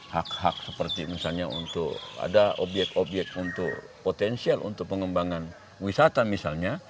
hak hak seperti misalnya untuk ada obyek obyek untuk potensial untuk pengembangan wisata misalnya